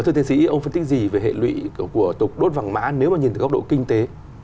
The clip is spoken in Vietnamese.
thích gì về hệ lụy của tục đốt vàng mã nếu mà nhìn từ góc độ kinh tế